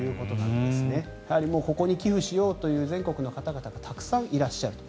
やはりここに寄付しようという全国の方々がたくさんいらっしゃると。